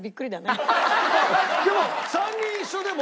でも３人一緒でも。